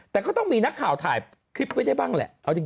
แต่ก็ต้องมีนักข่าวถ่ายคลิปไว้ได้บ้างแหละ